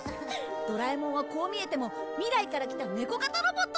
ドラえもんはこう見えても未来から来たネコ型ロボットなんだ。